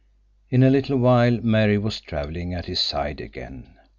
In a little while Mary was traveling at his side again.